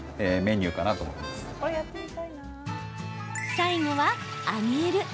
最後は、揚げる。